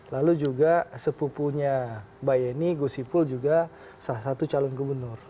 lalu juga sepupunya mbak yeni gusipul juga salah satu calon gubernur